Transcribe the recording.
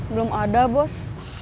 belum ada bos